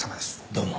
どうも。